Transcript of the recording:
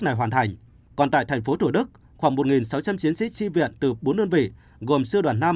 này hoàn thành còn tại thành phố thủ đức khoảng một sáu trăm linh chiến sĩ chi viện từ bốn đơn vị gồm sư đoàn năm